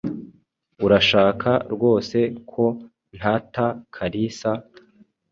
Urashaka rwose ko ntata Kalisa?